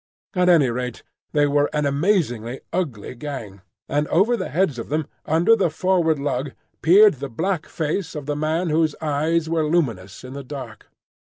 At any rate, they were an amazingly ugly gang, and over the heads of them under the forward lug peered the black face of the man whose eyes were luminous in the dark.